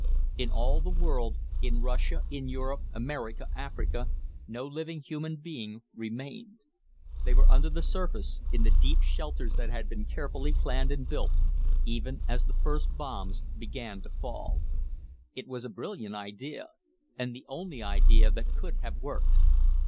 In all the world in Russia, in Europe, America, Africa no living human being remained. They were under the surface, in the deep shelters that had been carefully planned and built, even as the first bombs began to fall. It was a brilliant idea and the only idea that could have worked.